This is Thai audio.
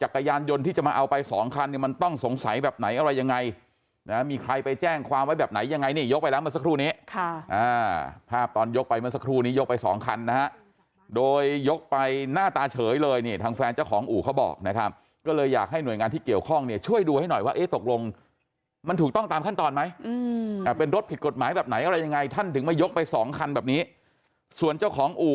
ไปแจ้งความไว้แบบไหนยังไงนี่ยกไปแล้วเมื่อสักครู่นี้ภาพตอนยกไปเมื่อสักครู่นี้ยกไปสองคันนะโดยยกไปหน้าตาเฉยเลยนี่ทางแฟนเจ้าของอู่เขาบอกนะครับก็เลยอยากให้หน่วยงานที่เกี่ยวข้องช่วยดูให้หน่อยว่าตกลงมันถูกต้องตามขั้นตอนไหมเป็นรถผิดกฎหมายแบบไหนอะไรยังไงท่านถึงมายกไปสองคันแบบนี้ส่วนเจ้าของอู่